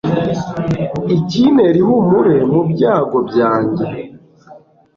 ikintera ihumure mu byago byanjye